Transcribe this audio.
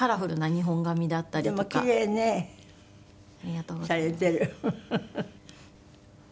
ありがとうございます。